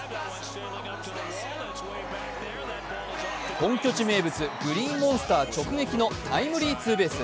本拠地名物・グリーンモンスター直撃のタイムリーツーベース。